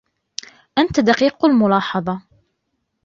أنت دقيق الملاحظة.